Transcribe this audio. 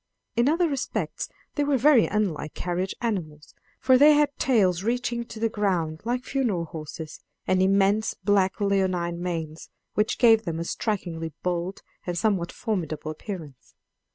In other respects they were very unlike carriage animals, for they had tails reaching to the ground, like funeral horses, and immense black leonine manes, which gave them a strikingly bold and somewhat formidable appearance.